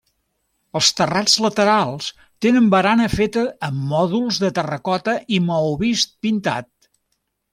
Els terrats laterals tenen barana feta amb mòduls de terracota i maó vist, pintat.